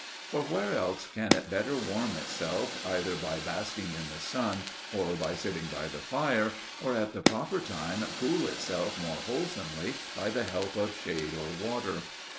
For where else can it better warm itself, either by basking in the sun or by sitting by the fire, or at the proper time cool itself more wholesomely by the help of shade or water?